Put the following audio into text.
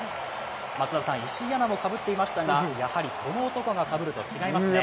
松田さん、石井アナもかぶっていましたがやはりこの男がかぶると違いますね。